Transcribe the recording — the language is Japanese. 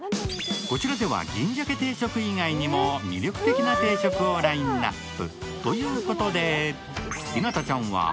こちらでは、銀鮭定食以外にも魅力的な定食をラインナップ。